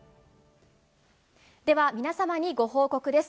では皆様に、ご報告です。